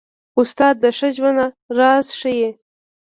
استاد د ښه ژوند راز ښيي.